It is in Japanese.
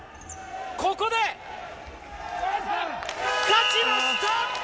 ここで勝ちました！